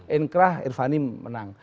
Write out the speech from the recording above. inqrah irvani menang